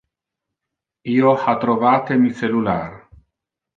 Io ha trovate mi cellular.